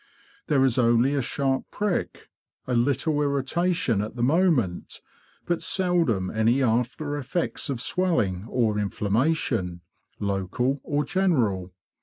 There is only a sharp prick, a little irritation at the moment, but seldom any after effects of swelling or inflammation, local or general.